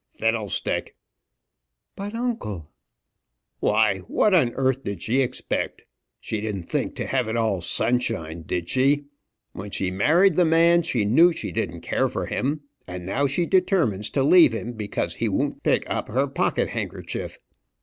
"Fiddlestick!" "But, uncle " "Why, what on earth did she expect? She didn't think to have it all sunshine, did she? When she married the man, she knew she didn't care for him; and now she determines to leave him because he won't pick up her pocket handkerchief!